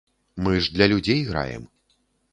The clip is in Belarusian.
Мы ж для людзей граем.